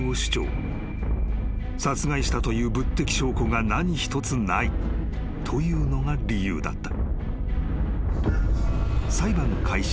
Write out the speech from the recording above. ［殺害したという物的証拠が何一つないというのが理由だった］